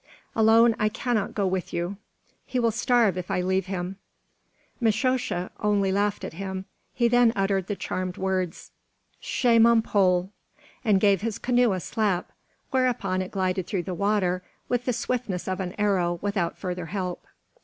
Alone I can not go with you; he will starve if I leave him." Mishosha only laughed at him. He then uttered the charmed words, "Chemaun Poll!" and gave his canoe a slap, whereupon it glided through the water with the swiftness of an arrow without further help.